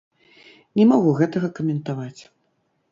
Не магу гэтага каментаваць.